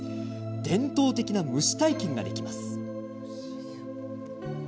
伝統的な蒸し体験ができます。